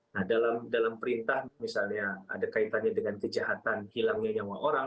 nah dalam perintah misalnya ada kaitannya dengan kejahatan hilangnya nyawa orang